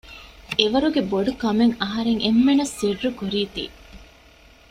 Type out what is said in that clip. އެވަރުގެ ބޮޑުކަމެއް އަހަރެން އެންމެންނަށް ސިއްރުކުރީތީ